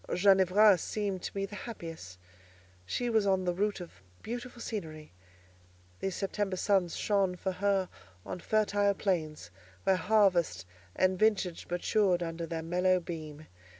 Ginevra seemed to me the happiest. She was on the route of beautiful scenery; these September suns shone for her on fertile plains, where harvest and vintage matured under their mellow beam.